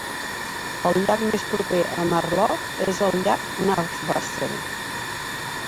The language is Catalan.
El llac més proper a Matlock és el llac Nahwatzel.